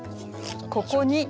ここに。